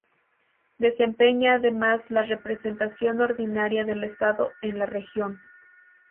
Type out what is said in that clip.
Desempeña además la representación ordinaria del Estado en la región.